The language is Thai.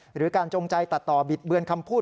หรือการจงใจตัดต่อบิดเบือนคำพูด